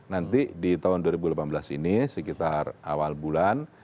nanti di tahun dua ribu delapan belas ini sekitar awal bulan